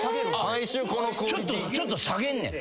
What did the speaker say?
ちょっと下げんねん。